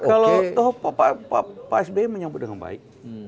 kalau pak sby menyambut dengan baik